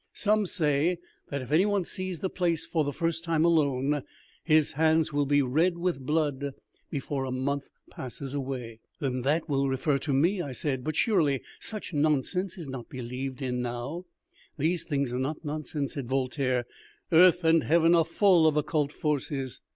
Some say that if any one sees the place for the first time alone, his hands will be red with blood before a month passes away." "Then that will refer to me," I said. "But surely such nonsense is not believed in now?" "These things are not nonsense," said Voltaire. "Earth and heaven are full of occult forces."